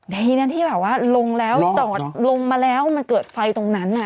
ดีนะที่แบบว่าลงแล้วจอดลงมาแล้วมันเกิดไฟตรงนั้น